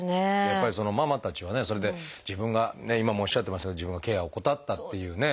やっぱりママたちはそれで自分が今もおっしゃってましたけど自分がケアを怠ったっていうね。